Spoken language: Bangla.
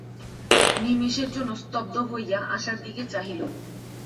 নিমেষের জন্য স্তব্ধ হইয়া আশার দিকে চাহিল।